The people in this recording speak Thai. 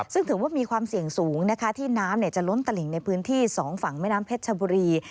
ซึ่งถือว่ามีความเสี่ยงสูงนะคะที่น้ำจะล้นตลิ่งในพื้นที่๒ฝั่งแม่น้ำเพชรชบุรี